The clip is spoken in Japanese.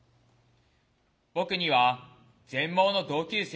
僕には全盲の同級生がいる。